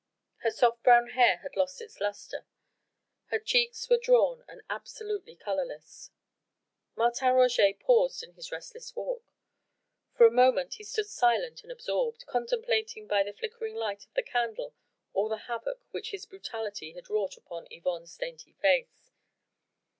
Her soft brown hair had lost its lustre; her cheeks were drawn and absolutely colourless. Martin Roget paused in his restless walk. For a moment he stood silent and absorbed, contemplating by the flickering light of the candle all the havoc which his brutality had wrought upon Yvonne's dainty face.